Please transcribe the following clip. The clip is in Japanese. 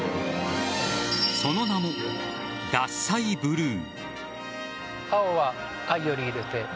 その名も獺祭ブルー。